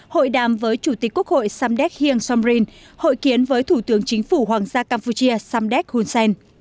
hội đàm với chủ tịch quốc hội samdek heng somrin hội kiến với thủ tướng chính phủ hoàng gia campuchia samdek hun sen